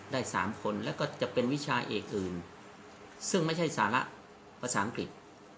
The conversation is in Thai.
ได้๓คนแล้วก็จะเป็นวิชาเอกอื่นซึ่งไม่ใช่สาระภาษาอังกฤษ